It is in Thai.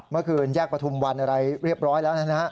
เมื่อคืนแยกประทุมวันเรียบร้อยแล้ว